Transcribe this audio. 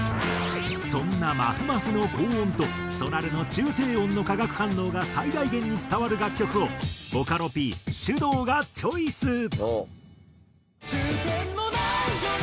そんなまふまふの高音とそらるの中低音の化学反応が最大限に伝わる楽曲をボカロＰｓｙｕｄｏｕがチョイス。